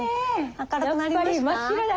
明るくなりました？